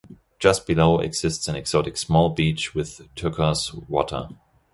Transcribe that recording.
Just below exists an exotic small beach with turquoise water.